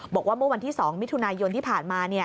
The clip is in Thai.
บอกว่าเมื่อวันที่๒มิถุนายนที่ผ่านมา